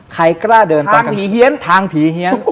ใครกล้าเดินต่างกันทางผีเฮียน